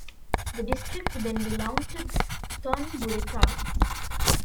The district then belonged to Thon Buri Province.